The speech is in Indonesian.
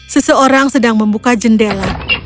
seseorang sedang membuka jendela